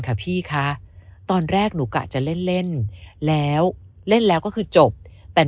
ค่ะพี่คะตอนแรกหนูกะจะเล่นเล่นแล้วเล่นแล้วก็คือจบแต่